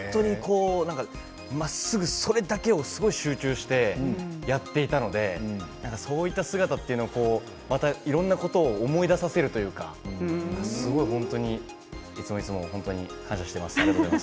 まっすぐそれだけをすごい集中してやっていたのでいろんなことを思い出させるというか、すごい本当にいつもいつも感謝しています。